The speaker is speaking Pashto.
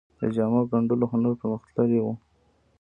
د جامو ګنډلو هنر پرمختللی و